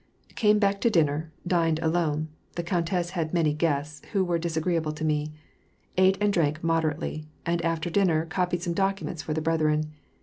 Came back to dinner, dined alone (the Conntess had many guests, who were disagreeable to me), ate and drank moderately, and after dinner copied some docwnents for the brethren.